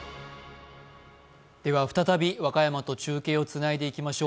では再び和歌山と中継をつないでいきましょう。